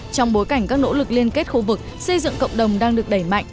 trong bối cảnh các nỗ lực liên kết khu vực xây dựng cộng đồng đang được đẩy mạnh